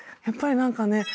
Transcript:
やっぱり何かね